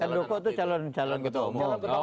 muldoko itu calon calon ketua umum